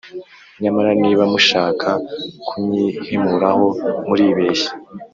Nyamara niba mushaka kunyihimuraho muribeshya